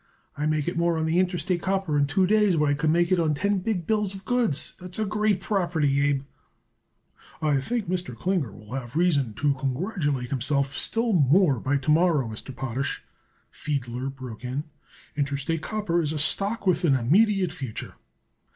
"I make it more on that Interstate Copper in two days what I could make it on ten big bills of goods. That's a great property, Abe." "I think Mr. Klinger will have reason to congratulate himself still more by to morrow, Mr. Potash," Fiedler broke in. "Interstate Copper is a stock with an immediate future."